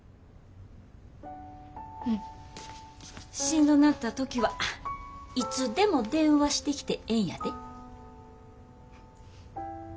しんどなった時はいつでも電話してきてええんやで。